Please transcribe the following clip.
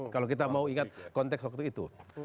kalau kita mau ingat konteks waktu itu